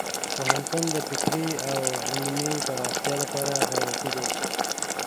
پوهنتون د فکري او علمي پراختیا لپاره حیاتي دی.